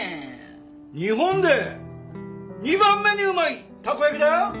日本で２番目にうまいたこ焼きだよ。